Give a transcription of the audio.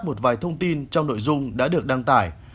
một vài thông tin trong nội dung đã được đăng tải